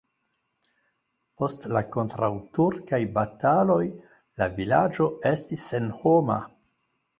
Post la kontraŭturkaj bataloj la vilaĝo estis senhoma.